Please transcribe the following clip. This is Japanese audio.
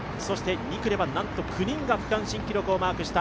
２区ではなんと、９人が区間新記録をマークした。